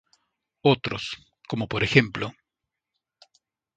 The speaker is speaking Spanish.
Otros, como p.ej.